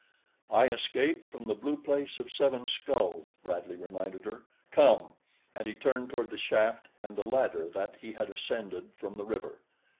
"I escaped from the Blue Place of Seven Skulls," Bradley reminded her. "Come!" And he turned toward the shaft and the ladder that he had ascended from the river.